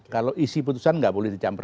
kalau isi putusan nggak boleh dicampur